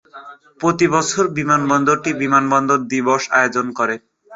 প্রতি বছর, বিমানবন্দরটি বিমানবন্দর দিবস আয়োজন করে।